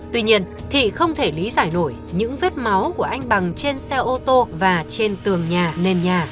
tuy nhiên thị không thể lý giải nổi những vết máu của anh bằng trên xe ô tô và trên tường nhà nền nhà